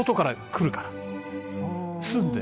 住んで。